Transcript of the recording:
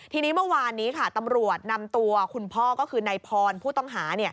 ทีนี้เมื่อวานนี้ค่ะตำรวจนำตัวคุณพ่อก็คือนายพรผู้ต้องหา